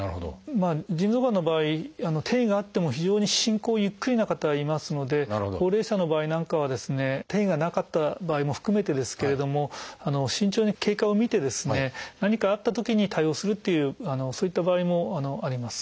腎臓がんの場合転移があっても非常に進行ゆっくりな方がいますので高齢者の場合なんかはですね転移がなかった場合も含めてですけれども慎重に経過を見てですね何かあったときに対応するっていうそういった場合もあります。